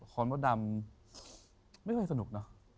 คอนพระดำไม่เคยสนุก